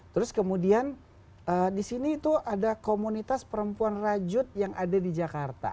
terus kemudian disini tuh ada komunitas perempuan rajut yang ada di jakarta